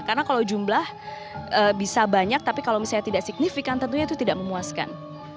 karena kalau jumlah bisa banyak tapi kalau misalnya tidak signifikan tentunya itu tidak memuaskan